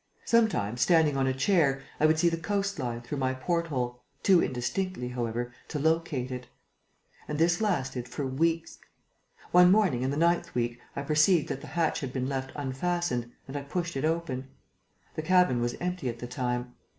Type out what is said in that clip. Sometimes, standing on a chair, I would see the coastline, through my port hole, too indistinctly, however, to locate it. And this lasted for weeks. One morning, in the ninth week, I perceived that the hatch had been left unfastened and I pushed it open. The cabin was empty at the time.